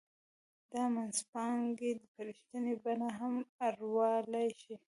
دا منځپانګې په رښتینې بڼه هم اړولای شي